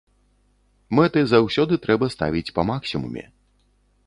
Мэты заўсёды трэба ставіць па максімуме.